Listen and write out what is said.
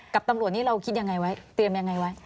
กับตำรวจนี้เราคิดยังไงไว้เตรียมยังไงไว้